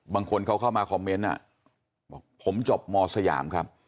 บางคนเขาเข้ามาคอมเมนต์บอกผมจบมสยามครับ